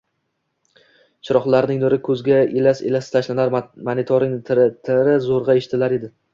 Chiroqlarining nuri koʻzga elas-elas tashlanar, motorining tir-tiri zoʻrgʻa eshitilar edi